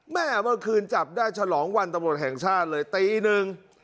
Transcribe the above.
แม่เมื่อคืนจับได้ฉลองวันตะบลแห่งชาติเลยตีนึง